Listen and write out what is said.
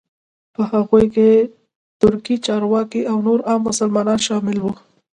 په هغوی کې ترکي چارواکي او نور عام مسلمانان شامل وو.